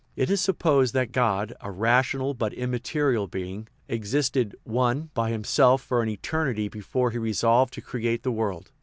It is supposed that God (a rational, but immaterial, being) existed 1 by himself for an eternity before he resolved to create the world.